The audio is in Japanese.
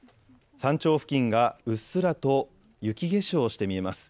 山頂付近がうっすらと雪化粧をして見えます。